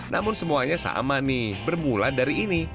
namun semuanya sama nih bermula dari ini